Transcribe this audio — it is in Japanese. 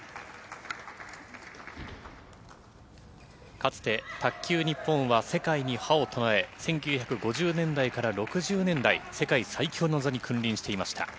かつて卓球日本は世界に覇を取られ、１９５０年代から６０年代、世界最強の座に君臨していました。